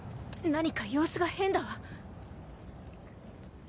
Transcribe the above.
何か様子が変だわ。